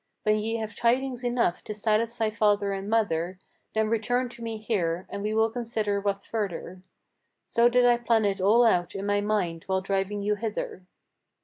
When ye have tidings enough to satisfy father and mother, Then return to me here, and we will consider what further. So did I plan it all out in my mind while driving you hither."